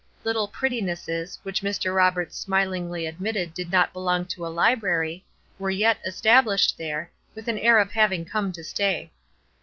Little prettinesses, which Mr. Roberts smilingly admitted did not belong to a library, were yet established there, with an air of having come to stay.